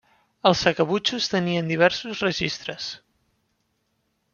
Els sacabutxos tenien diversos registres.